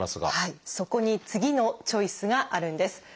そこに次のチョイスがあるんです。